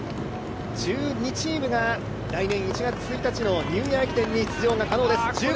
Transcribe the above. １２チームが来年１月１日のニューイヤー駅伝に出場可能です。